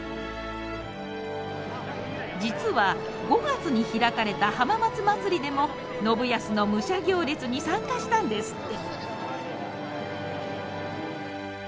実は５月に開かれた浜松まつりでも信康の武者行列に参加したんですって。